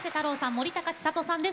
森高千里さんです。